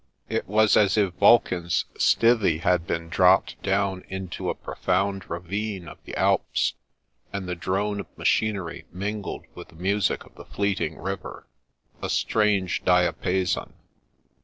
It was as if Vulcan's stithy had been dropped down into a profound ravine of the Alps, and the drone of machinery mingled with the music of the fleeting river— a strange diapason.